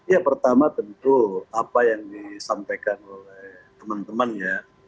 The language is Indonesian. ya pertama tentu apa yang disampaikan oleh teman teman ya